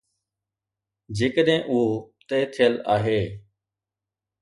جيڪڏهن اهو طئي ٿيل آهي.